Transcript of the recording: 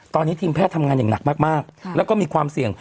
ตอนนี้ทีมแพทย์ทำงานอย่างหนักมากแล้วก็มีความเสี่ยง